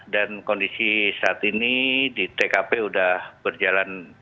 dan kondisi saat ini di tkp sudah berjalan